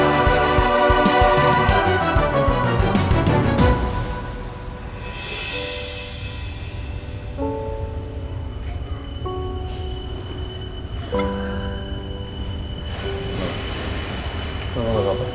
aku cara cura berlatih dengan bencana